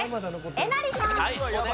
えなりさん。